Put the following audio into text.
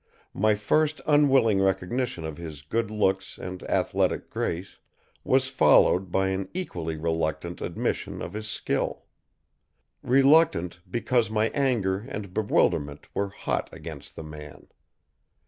My first unwilling recognition of his good looks and athletic grace was followed by an equally reluctant admission of his skill. Reluctant, because my anger and bewilderment were hot against the man.